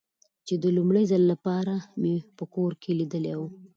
چې د لومړي ځل له پاره مې په کور کې لیدلی و.